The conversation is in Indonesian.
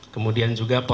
kemudian juga potensial